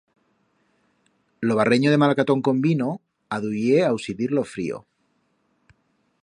Lo barrenyo de malacatón con vino aduyé a ausidir lo frío.